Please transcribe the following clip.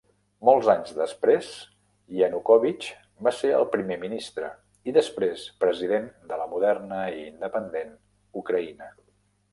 Molts anys després, Yanukovych va ser el primer ministre i, després, president de la moderna i independent Ucraïna.